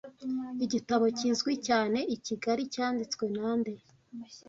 Igitabo kizwi cyane ikigali cyanditswe na nde